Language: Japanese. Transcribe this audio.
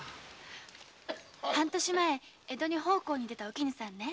半年前江戸に奉公に出たお絹さん